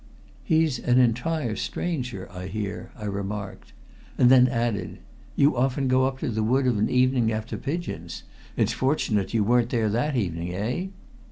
"He's an entire stranger, I hear," I remarked. And then added: "You often go up to the wood of an evening after pigeons. It's fortunate you were not there that evening, eh?"